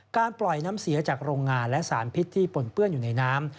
ปล่อยน้ำเสียจากโรงงานและสารพิษที่ปนเปื้อนอยู่ในน้ำ